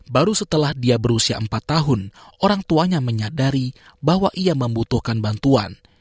baru setelah dia berusia empat tahun orang tuanya menyadari bahwa ia membutuhkan bantuan